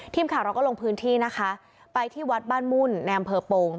ทีมข่าวเราก็ลงพื้นที่นะคะไปที่วัดบ้านมุ่นในอำเภอโป่ง